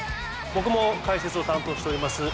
僕も解説を担当しております